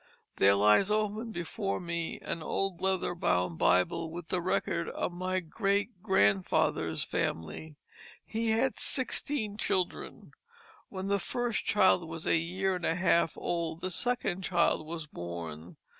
There lies open before me an old leather bound Bible with the record of my great grandfather's family. He had sixteen children. When the first child was a year and a half old the second child was born.